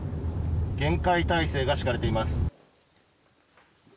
厳戒態勢が敷かれています。